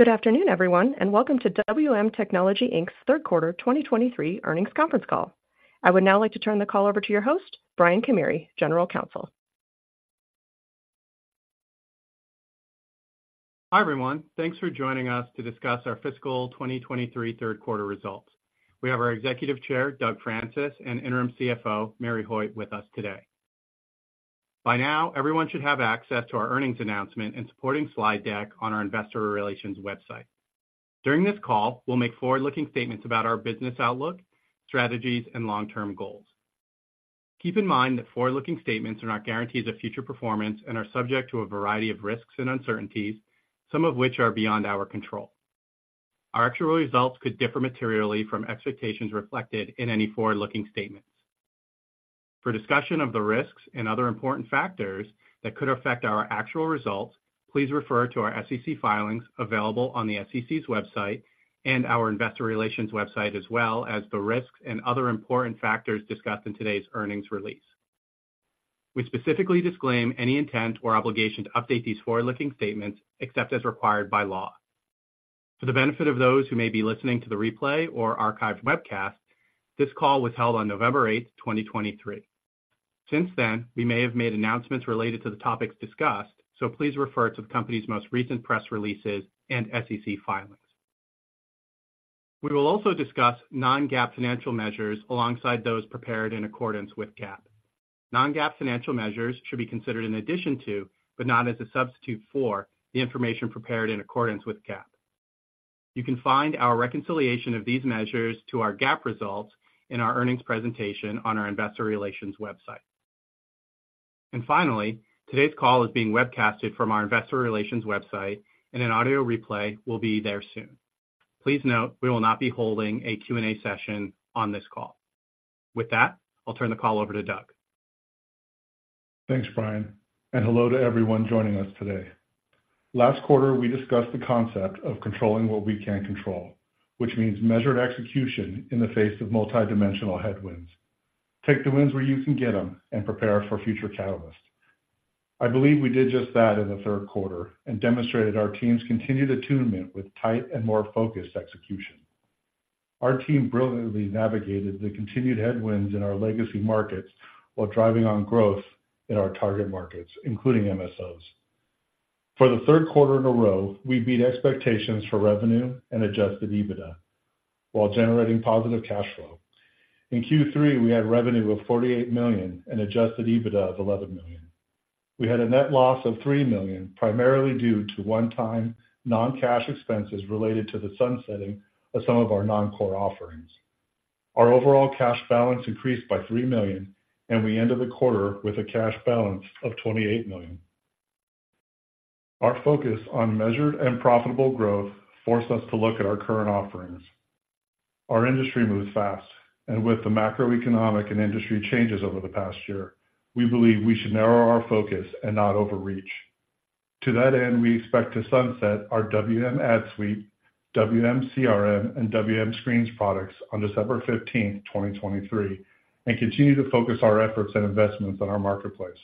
Good afternoon, everyone, and welcome to WM Technology Inc.'s third quarter 2023 earnings conference call. I would now like to turn the call over to your host, Brian Camire, General Counsel. Hi, everyone. Thanks for joining us to discuss our fiscal 2023 third quarter results. We have our Executive Chair, Doug Francis, and Interim CFO, Mary Hoitt, with us today. By now, everyone should have access to our earnings announcement and supporting slide deck on our investor relations website. During this call, we'll make forward-looking statements about our business outlook, strategies, and long-term goals. Keep in mind that forward-looking statements are not guarantees of future performance and are subject to a variety of risks and uncertainties, some of which are beyond our control. Our actual results could differ materially from expectations reflected in any forward-looking statements. For discussion of the risks and other important factors that could affect our actual results, please refer to our SEC filings available on the SEC's website and our investor relations website, as well as the risks and other important factors discussed in today's earnings release. We specifically disclaim any intent or obligation to update these forward-looking statements, except as required by law. For the benefit of those who may be listening to the replay or archived webcast, this call was held on November 8, 2023. Since then, we may have made announcements related to the topics discussed, so please refer to the company's most recent press releases and SEC filings. We will also discuss non-GAAP financial measures alongside those prepared in accordance with GAAP. Non-GAAP financial measures should be considered in addition to, but not as a substitute for, the information prepared in accordance with GAAP. You can find our reconciliation of these measures to our GAAP results in our earnings presentation on our investor relations website. And finally, today's call is being webcasted from our investor relations website, and an audio replay will be there soon. Please note, we will not be holding a Q&A session on this call. With that, I'll turn the call over to Doug. Thanks, Brian, and hello to everyone joining us today. Last quarter, we discussed the concept of controlling what we can control, which means measured execution in the face of multidimensional headwinds. Take the wins where you can get them and prepare for future catalysts. I believe we did just that in the third quarter and demonstrated our team's continued attunement with tight and more focused execution. Our team brilliantly navigated the continued headwinds in our legacy markets while driving on growth in our target markets, including MSOs. For the third quarter in a row, we beat expectations for revenue and Adjusted EBITDA while generating positive cash flow. In Q3, we had revenue of $48 million and Adjusted EBITDA of $11 million. We had a net loss of $3 million, primarily due to one-time non-cash expenses related to the sunsetting of some of our non-core offerings. Our overall cash balance increased by $3 million, and we ended the quarter with a cash balance of $28 million. Our focus on measured and profitable growth forced us to look at our current offerings. Our industry moves fast, and with the macroeconomic and industry changes over the past year, we believe we should narrow our focus and not overreach. To that end, we expect to sunset our WM AdSuite, WM CRM, and WM Screens products on December 15th, 2023, and continue to focus our efforts and investments on our marketplace.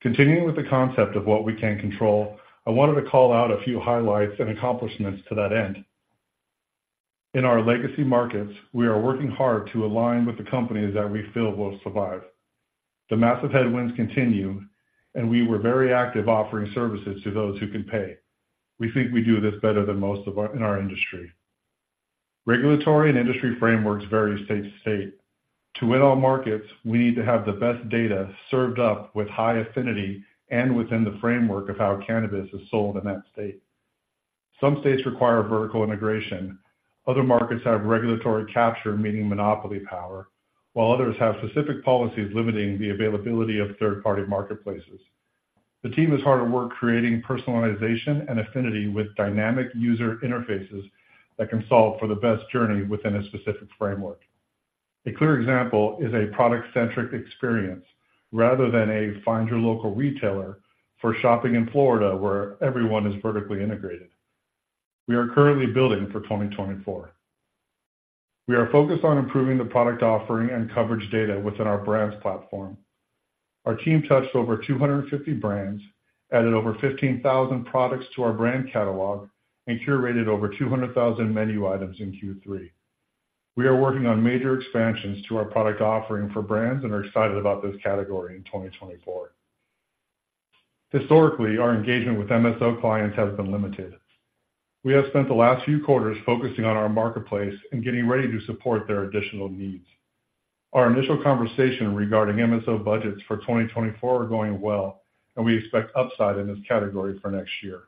Continuing with the concept of what we can control, I wanted to call out a few highlights and accomplishments to that end. In our legacy markets, we are working hard to align with the companies that we feel will survive. The massive headwinds continue, and we were very active offering services to those who can pay. We think we do this better than most in our industry. Regulatory and industry frameworks vary state to state. To win all markets, we need to have the best data served up with high affinity and within the framework of how cannabis is sold in that state. Some states require vertical integration. Other markets have regulatory capture, meaning monopoly power, while others have specific policies limiting the availability of third-party marketplaces. The team is hard at work creating personalization and affinity with dynamic user interfaces that can solve for the best journey within a specific framework. A clear example is a product-centric experience rather than a find your local retailer for shopping in Florida, where everyone is vertically integrated. We are currently building for 2024. We are focused on improving the product offering and coverage data within our Weedmaps platform. Our team touched over 250 brands, added over 15,000 products to our brand catalog, and curated over 200,000 menu items in Q3. We are working on major expansions to our product offering for brands and are excited about this category in 2024. Historically, our engagement with MSO clients has been limited. We have spent the last few quarters focusing on our marketplace and getting ready to support their additional needs. Our initial conversation regarding MSO budgets for 2024 are going well, and we expect upside in this category for next year.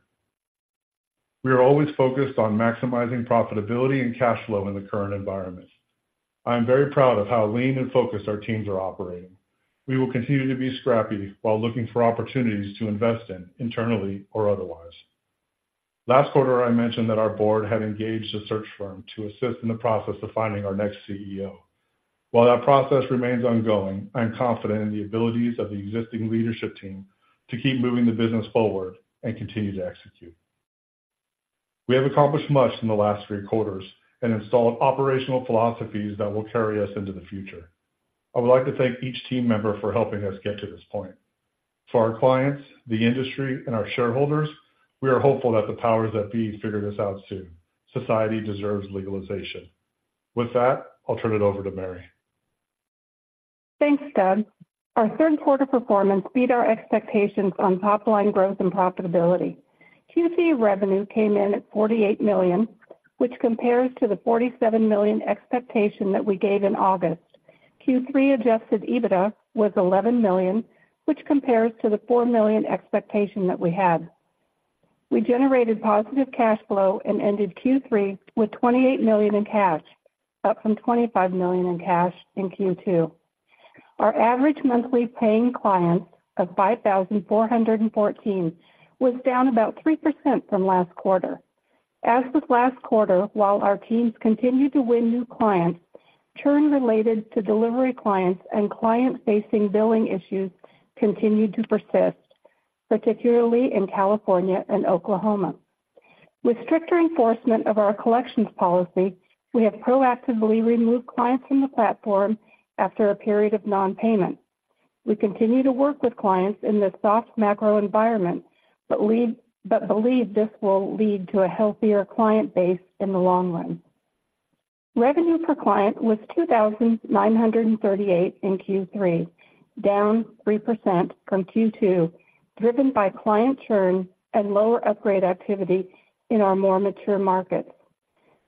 We are always focused on maximizing profitability and cash flow in the current environment. I am very proud of how lean and focused our teams are operating. We will continue to be scrappy while looking for opportunities to invest in, internally or otherwise. Last quarter, I mentioned that our board had engaged a search firm to assist in the process of finding our next CEO. While that process remains ongoing, I am confident in the abilities of the existing leadership team to keep moving the business forward and continue to execute. We have accomplished much in the last three quarters and installed operational philosophies that will carry us into the future.... I would like to thank each team member for helping us get to this point. For our clients, the industry, and our shareholders, we are hopeful that the powers that be figure this out soon. Society deserves legalization. With that, I'll turn it over to Mary. Thanks, Doug. Our third quarter performance beat our expectations on top line growth and profitability. Q3 revenue came in at $48 million, which compares to the $47 million expectation that we gave in August. Q3 Adjusted EBITDA was $11 million, which compares to the $4 million expectation that we had. We generated positive cash flow and ended Q3 with $28 million in cash, up from $25 million in cash in Q2. Our average monthly paying clients of 5,414 was down about 3% from last quarter. As with last quarter, while our teams continued to win new clients, churn related to delivery clients and client-facing billing issues continued to persist, particularly in California and Oklahoma. With stricter enforcement of our collections policy, we have proactively removed clients from the platform after a period of non-payment. We continue to work with clients in this soft macro environment, but believe this will lead to a healthier client base in the long run. Revenue per client was 2,938 in Q3, down 3% from Q2, driven by client churn and lower upgrade activity in our more mature markets.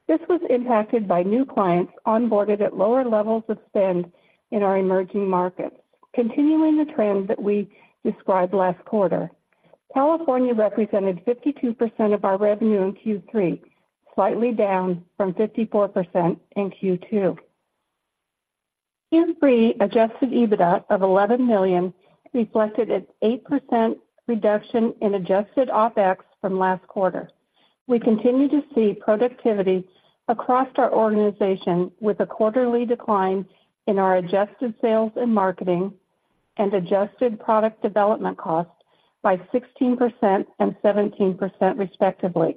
This was impacted by new clients onboarded at lower levels of spend in our emerging markets. Continuing the trend that we described last quarter, California represented 52% of our revenue in Q3, slightly down from 54% in Q2. Q3 Adjusted EBITDA of $11 million reflected an 8% reduction in adjusted OpEx from last quarter. We continue to see productivity across our organization, with a quarterly decline in our adjusted sales and marketing and adjusted product development costs by 16% and 17%, respectively.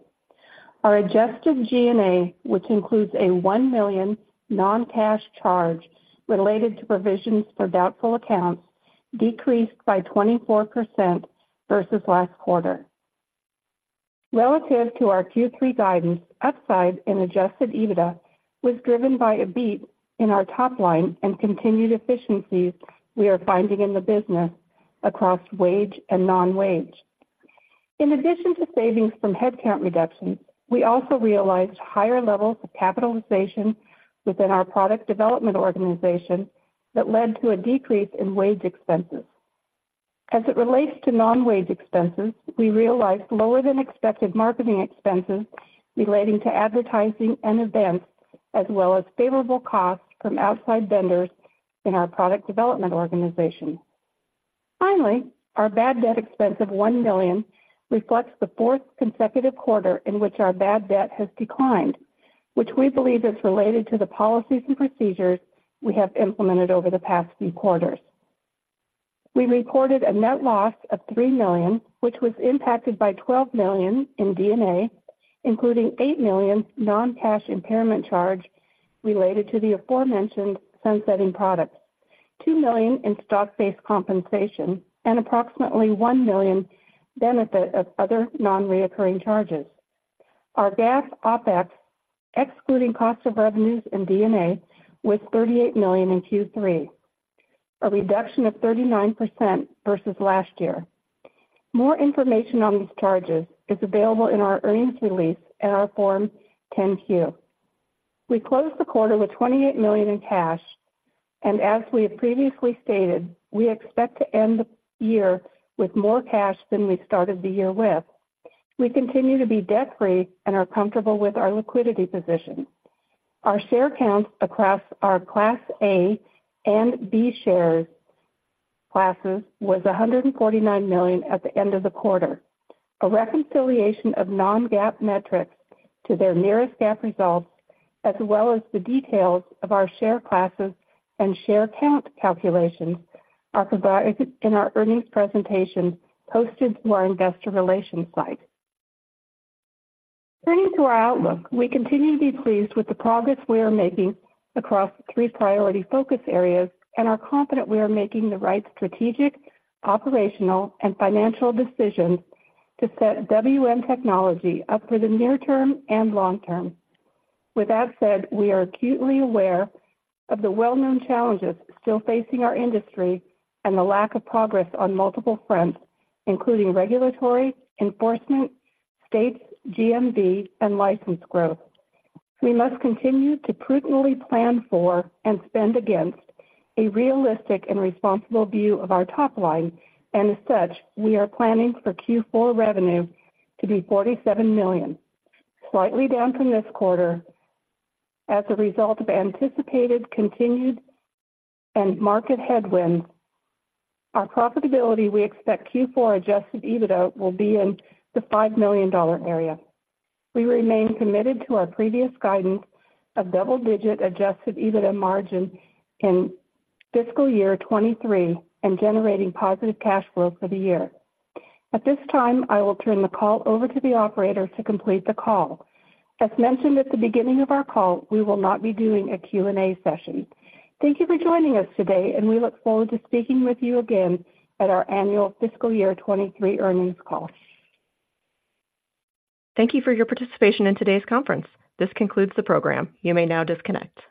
Our Adjusted G&A, which includes a $1 million non-cash charge related to provisions for doubtful accounts, decreased by 24% versus last quarter. Relative to our Q3 guidance, upside in Adjusted EBITDA was driven by a beat in our top line and continued efficiencies we are finding in the business across wage and non-wage. In addition to savings from headcount reductions, we also realized higher levels of capitalization within our product development organization that led to a decrease in wage expenses. As it relates to non-wage expenses, we realized lower than expected marketing expenses relating to advertising and events, as well as favorable costs from outside vendors in our product development organization. Finally, our bad debt expense of $1 million reflects the fourth consecutive quarter in which our bad debt has declined, which we believe is related to the policies and procedures we have implemented over the past few quarters. We reported a net loss of $3 million, which was impacted by $12 million in D&A, including $8 million non-cash impairment charge related to the aforementioned sunsetting products, $2 million in stock-based compensation, and approximately $1 million benefit of other non-recurring charges. Our GAAP OpEx, excluding cost of revenues and D&A, was $38 million in Q3, a reduction of 39% versus last year. More information on these charges is available in our earnings release and our Form 10-Q. We closed the quarter with $28 million in cash, and as we have previously stated, we expect to end the year with more cash than we started the year with. We continue to be debt-free and are comfortable with our liquidity position. Our share count across our Class A and Class B shares was 149 million at the end of the quarter. A reconciliation of non-GAAP metrics to their nearest GAAP results, as well as the details of our share classes and share count calculations, are provided in our earnings presentation posted to our investor relations site. Turning to our outlook, we continue to be pleased with the progress we are making across three priority focus areas and are confident we are making the right strategic, operational, and financial decisions to set WM Technology up for the near term and long term. With that said, we are acutely aware of the well-known challenges still facing our industry and the lack of progress on multiple fronts, including regulatory, enforcement, state, GMV, and license growth. We must continue to prudently plan for and spend against a realistic and responsible view of our top line, and as such, we are planning for Q4 revenue to be $47 million, slightly down from this quarter. As a result of anticipated, continued, and market headwinds, our profitability, we expect Q4 Adjusted EBITDA will be in the $5 million area. We remain committed to our previous guidance of double-digit Adjusted EBITDA margin in fiscal year 2023 and generating positive cash flow for the year. At this time, I will turn the call over to the operator to complete the call. As mentioned at the beginning of our call, we will not be doing a Q&A session. Thank you for joining us today, and we look forward to speaking with you again at our annual fiscal year 2023 earnings call. Thank you for your participation in today's conference. This concludes the program. You may now disconnect.